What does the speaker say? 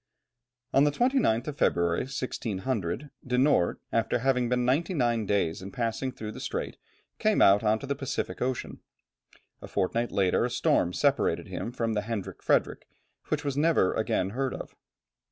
On the 29th of February, 1600, De Noort, after having been ninety nine days in passing through the strait, came out on to the Pacific Ocean. A fortnight later, a storm separated him from the Hendrik Fredrik, which was never again heard of.